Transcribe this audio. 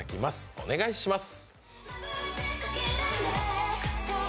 お願いします。